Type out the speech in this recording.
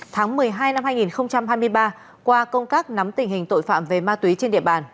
tháng một mươi hai năm hai nghìn hai mươi ba qua công tác nắm tình hình tội phạm về ma túy trên địa bàn